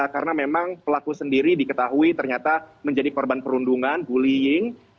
karena memang pelaku sendiri diketahui ternyata menjadi korban perundungan bullying